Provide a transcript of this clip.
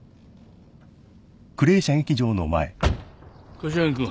柏木君。